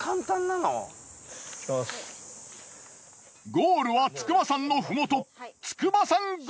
ゴールは筑波山のふもと筑波山口。